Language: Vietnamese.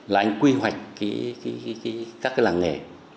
là anh quy hoạch các cái làng nghề